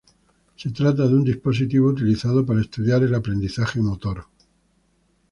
Se trata de un dispositivo utilizado para estudiar el aprendizaje motor.